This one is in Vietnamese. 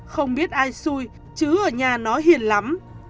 không biết ai xui chứ ở nhà nó hiền lắm